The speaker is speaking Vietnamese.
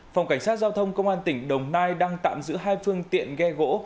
phòng cảnh sát giao thông công an tỉnh đồng nai đang tạm giữ hai phương tiện ghe gỗ